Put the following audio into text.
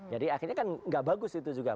jadi akhirnya kan nggak bagus itu juga